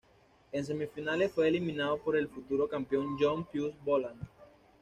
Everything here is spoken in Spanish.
En semifinales fue eliminado por el futuro campeón John Pius Boland.